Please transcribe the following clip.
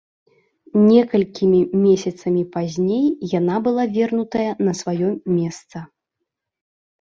Некалькімі месяцамі пазней яна была вернутая на сваё месца.